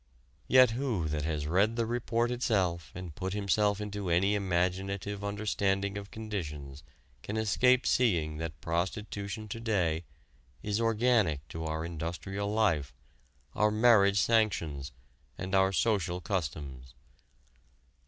Yet who that has read the report itself and put himself into any imaginative understanding of conditions can escape seeing that prostitution to day is organic to our industrial life, our marriage sanctions, and our social customs?